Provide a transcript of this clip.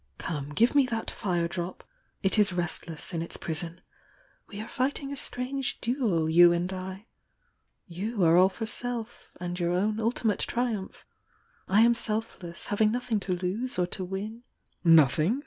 Come, give me that fire drop, — it is restless in its prison! We are fighting a strange duel, you and I —you are all for self, and your own ultimate tri umph— I am selfless, having nothmg to lose or to wm "Nothing?"